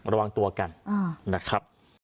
ระวังตัวกันนะครับ